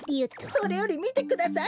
それよりみてください